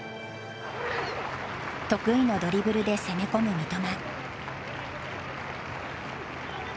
得意のドリブルで攻め込む三笘。